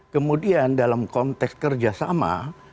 kemudian dalam konteks kerjasama